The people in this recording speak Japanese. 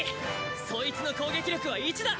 ソイツの攻撃力は１だ！